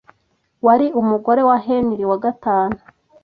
wari umugore wa Henri wa gatanu